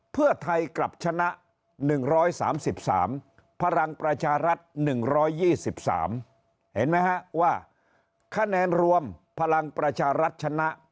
เพื่อไทยกลับชนะ๑๓๓พลังประชารัฐ๑๒๓เห็นไหมฮะว่าคะแนนรวมพลังประชารัฐชนะ